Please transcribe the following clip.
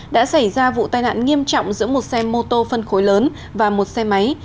đã xảy ra vụ tai nạn nghiêm trọng giữa một xe mô tô phân khối lớn và một xe máy